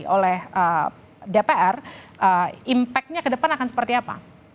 oleh dpr impact nya ke depan akan seperti apa